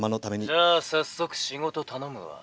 「じゃあ早速仕事頼むわ」。